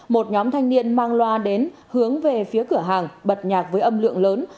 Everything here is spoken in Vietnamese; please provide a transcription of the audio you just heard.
một nhóm thanh niên mang loa đến hướng về phía cửa hàng bật nhạc với âm lượng lớn